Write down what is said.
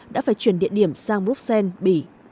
đã phải chuyển địa điểm sang bruxelles bỉ